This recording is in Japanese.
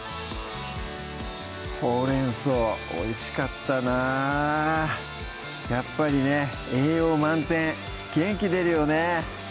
ほうれん草おいしかったなやっぱりね栄養満点元気出るよね！